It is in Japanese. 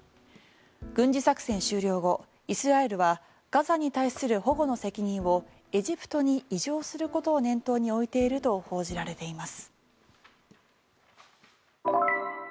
軍事作戦終了後イスラエルはガザに対する保護の責任をエジプトに移譲することを念頭に置いていると報じられています。